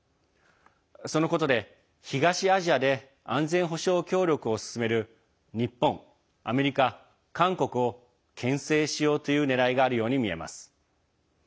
そのことで東アジアで安全保障協力を進める日本、アメリカ、韓国をけん制しようというねらいがあるように見えます。